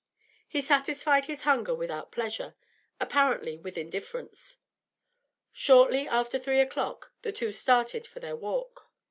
He satisfied his hunger without pleasure, apparently with indifference. Shortly after three o'clock the two started for their walk.